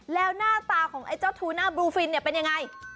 แล้วหน้าตาของไอ้เจ้าทูน่าบลูฟินเนี่ยเป็นยังไง